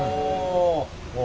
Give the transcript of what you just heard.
お。